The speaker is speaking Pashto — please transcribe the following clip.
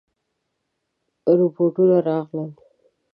رپوټونه راغلل.